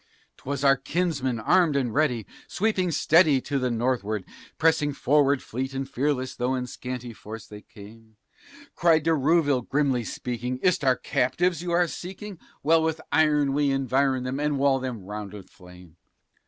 'Twas our kinsmen armed and ready, sweeping steady to the nor'ward, Pressing forward fleet and fearless, though in scanty force they came Cried De Rouville, grimly speaking, "Is't our captives you are seeking? Well, with iron we environ them, and wall them round with flame.